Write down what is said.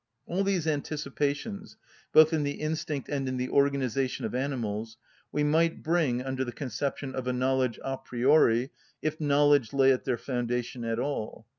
All these anticipations, both in the instinct and in the organisation of animals, we might bring under the conception of a knowledge a priori, if knowledge lay at their foundation at all.